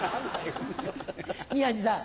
宮治さん。